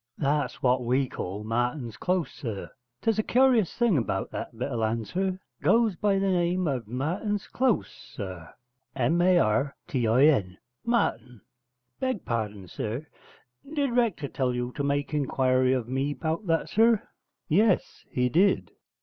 'That's what we call Martin's Close, sir: 'tes a curious thing 'bout that bit of land, sir: goes by the name of Martin's Close, sir. M a r t i n Martin. Beg pardon, sir, did Rector tell you to make inquiry of me 'bout that, sir?' 'Yes, he did.'